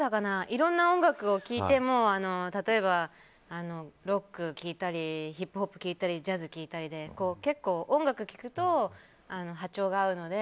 いろいろな音楽を聴いて例えば、ロックを聴いたりヒップホップ聴いたりジャズ聴いたりで結構、音楽聴くと波長が合うので。